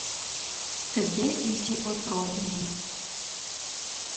Тыге изи отро лийын.